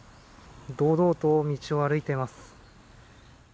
堂々と道を歩いています。